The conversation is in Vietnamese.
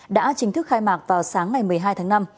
đã chính thức khai mạc vào sáng ngày một mươi hai tháng năm